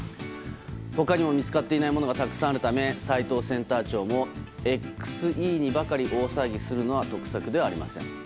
他にも見つかっていないものがたくさんあるため斎藤センター長もＸＥにばかり大騒ぎをするのは得策ではありません。